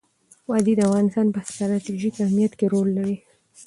وادي د افغانستان په ستراتیژیک اهمیت کې رول لري.